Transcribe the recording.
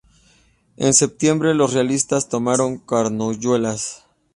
En septiembre, los realistas tomaron Cornualles.